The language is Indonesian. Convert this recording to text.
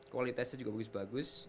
kualitasnya juga bagus bagus